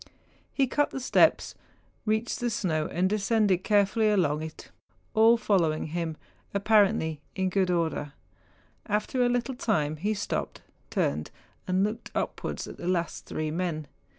He cut the steps, reached the snow, and descended carefully along it—all following him, apparently in good order. After a little time he stopped, turned, and looked upward at the last three men.